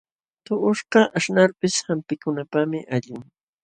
Tuqushkaq aśhnalpis hampikunapaqmi allin.